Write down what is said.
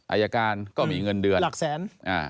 อายการก็มีเงินเดือนหลักแสน